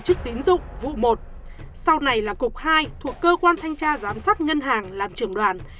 tổ chức tín dụng vụ một sau này là cục hai thuộc cơ quan thanh tra giám sát ngân hàng làm trưởng đoàn